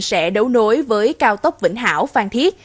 sẽ đấu nối với cao tốc vĩnh hảo phan thiết